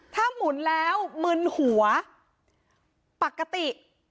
ถ้าหมุนแล้วมึนหัวปกติ